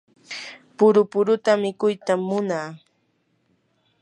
puru puruta mikuytam munaa.